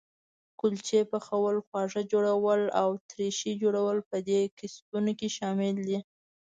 کلچې پخول، خواږه جوړول او ترشي جوړول په دې کسبونو کې شامل دي.